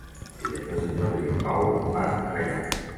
Divendres en Jordi i en Pau van a Gaià.